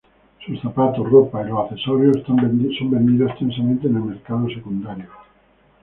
Sus zapatos, ropa, y los accesorios son vendidos extensamente en el mercado secundario.